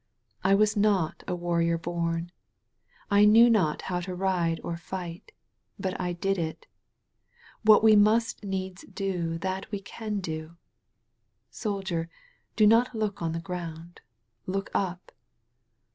I was not a warrior bom. I knew not how to ride or fight. But I did it. What we must needs do that we can do. Soldier, do not look on the ground. Look up.